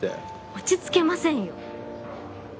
落ち着けませんよ。